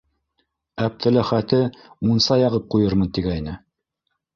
Әптеләхәте мунса яғып ҡуйырмын тигәйне.